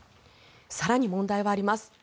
更に問題はあります。